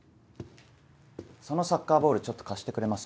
そのサッカーボールちょっと貸してくれますか。